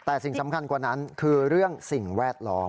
แต่สิ่งสำคัญกว่านั้นคือเรื่องสิ่งแวดล้อม